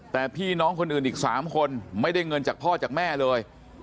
แต่พี่น้องคนอื่นอีก๓คนไม่ได้เงินจากพ่อจากแม่เลย